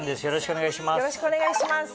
よろしくお願いします。